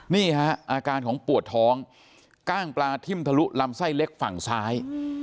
นี่ฮะอาการของปวดท้องกล้างปลาทิ่มทะลุลำไส้เล็กฝั่งซ้าย